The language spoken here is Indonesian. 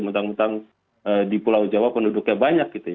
mentang mentang di pulau jawa penduduknya banyak gitu ya